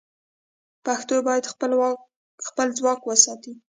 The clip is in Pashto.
پښتو باید خپل ځواک وساتي.